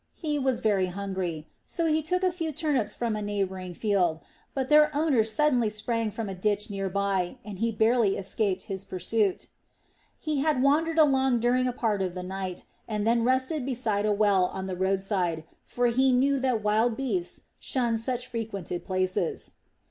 He was very hungry, so he took a few turnips from a neighboring field. But their owner suddenly sprang from a ditch near by, and he barely escaped his pursuit. He had wandered along during a part of the night, and then rested beside a well on the roadside, for he knew that wild beasts shun such frequented places.